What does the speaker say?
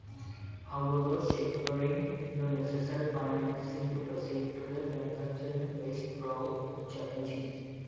However securing the necessary financing to proceed to the manufacturing phase proved challenging.